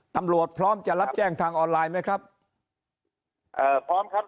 พร้อมจะรับแจ้งทางออนไลน์ไหมครับเอ่อพร้อมครับ